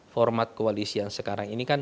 format koalisi yang sekarang ini kan